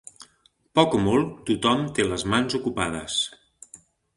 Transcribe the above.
Poc o molt, tothom té les mans ocupades.